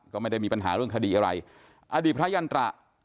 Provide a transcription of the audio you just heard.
ก็ไม่ได้มีปัญหาเรื่องคดีอะไรอดีตพระยันตระ